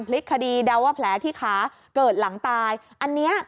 พลิกคดีเดาว่าแผลที่ขาเกิดหลังตายอันเนี้ย